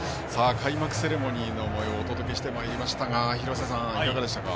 開幕セレモニーのもようをお届けしてまいりましたが廣瀬さん、いかがですか。